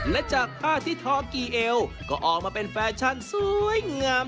และจากผ้าที่ทอกี่เอวก็ออกมาเป็นแฟชั่นสวยงาม